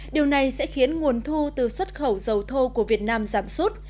điều này sẽ khiến nguồn thu từ xuất khẩu dầu thô của việt nam giảm sút